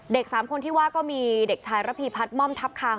๓คนที่ว่าก็มีเด็กชายระพีพัฒน์ม่อมทัพคาง